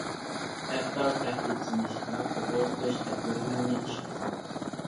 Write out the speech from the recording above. ھەتتا تەھدىت سېلىش ۋە پوپوزا قىلىش تەدبىرلىرىنى ئىشقا سالدى.